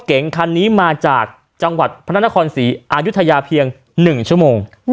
เก๋งคันนี้มาจากจังหวัดพระนครศรีอายุทยาเพียง๑ชั่วโมง